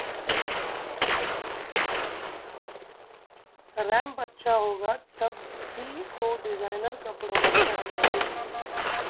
ramp अच्छा होगा, तभी तो डिजाइनर कपड़ों की शान बढ़ेगी...